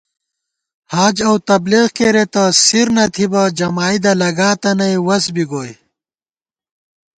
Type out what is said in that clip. حج اؤ تبلیغ کېرېتہ سِر نہ تھِبہ جمائدہ لگاتہ نئ وَس بی گوئی